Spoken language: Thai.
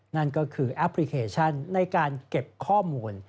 นั่นก็คือแอปพลิเคชันในการเก็บข้อมูล